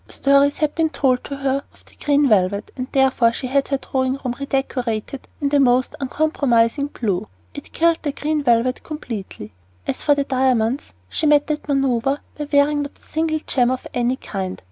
Stories had been told to her of the green velvet, and therefore she had her drawing room redecorated in the most uncompromising blue. It killed the green velvet completely. As for the diamonds, she met that maneuver by wearing not a single gem of any kind.